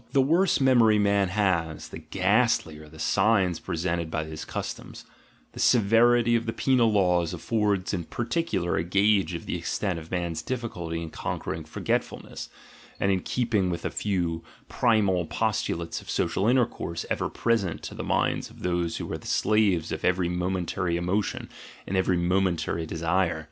The worse memory man 46 THE GENEALOGY OF MORALS had, the ghastlier the signs presented by his customs; the severity of the penal laws affords in particular a gauge of the extent of man's difficulty in conquering forgetfulness, and in keeping a few primal postulates of social intercourse ever present to the minds of those who were the slaves of every momentary emotion and every momentary desire.